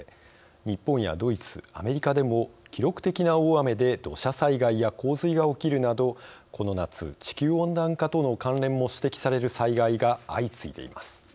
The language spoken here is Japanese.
日本やドイツ、アメリカでも記録的な大雨で土砂災害や洪水が起きるなどこの夏、地球温暖化との関連も指摘される災害が相次いでいます。